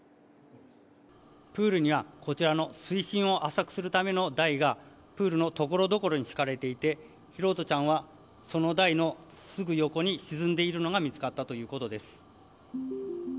プールには、こちらの水深を浅くするための台がプールのところどころに敷かれていて拓杜ちゃんはその台のすぐ横に沈んでいるのが見つかったということです。